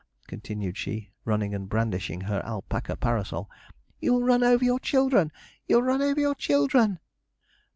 continued she, running and brandishing her alpaca parasol, 'you'll run over your children! you'll run over your children!'